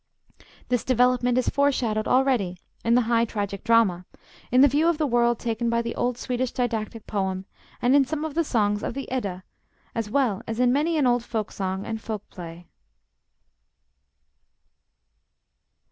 This development is foreshadowed already in the high tragic drama, in the view of the world taken by the old Swedish didactic poem; and in some of the songs of the Edda, as well as in many an old folk song and folk play.